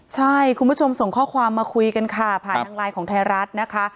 ใช่คุณผู้ชมส่งข้อความมาคุยกันค่ะผ่านทางไลน์ของไทยรัฐนะคะ